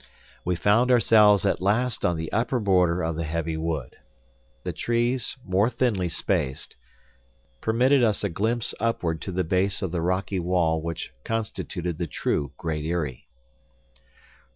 We found ourselves at last on the upper border of the heavy wood. The trees, more thinly spaced, permitted us a glimpse upward to the base of the rocky wall which constituted the true Great Eyrie.